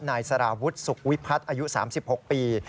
นายสารวุฒิสุขวิพัฒน์อายุ๓๖ปี